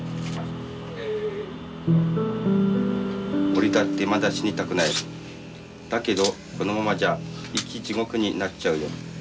「俺だってまだ死にたくない。だけどこのままじゃ『生きジゴク』になっちゃうよ」。